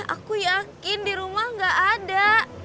aku yakin di rumah gak ada